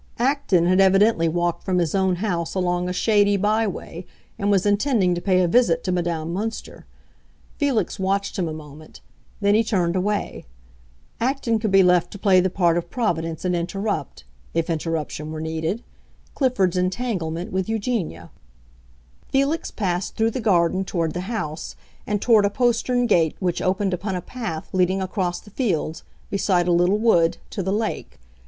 Acton had evidently walked from his own house along a shady by way and was intending to pay a visit to Madame Münster. Felix watched him a moment; then he turned away. Acton could be left to play the part of Providence and interrupt—if interruption were needed—Clifford's entanglement with Eugenia. Felix passed through the garden toward the house and toward a postern gate which opened upon a path leading across the fields, beside a little wood, to the lake.